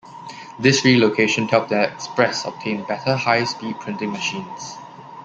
This relocation helped the "Express" obtain better high-speed printing machines.